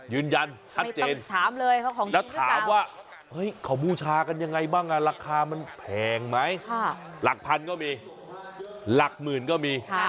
ยืนยันชัดเจนถามเลยแล้วถามว่าเฮ้ยเขาบูชากันยังไงบ้างราคามันแพงไหมหลักพันก็มีหลักหมื่นก็มี